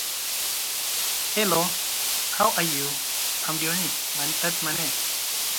Ungerleider told the band members about the incident, which they found hilarious.